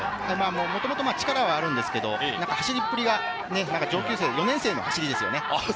もともと力はあるんですが、走りっぷりが４年生の走りですよね。